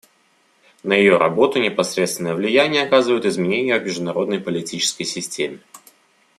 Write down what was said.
На ее работу непосредственное влияние оказывают изменения в международной политической системе.